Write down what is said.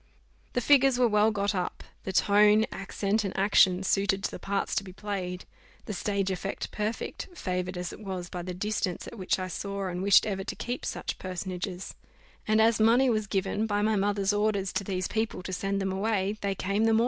The figures were well got up; the tone, accent, and action, suited to the parts to be played; the stage effect perfect, favoured as it was by the distance at which I saw and wished ever to keep such personages; and as money was given, by my mother's orders, to these people to send them away, they came the more.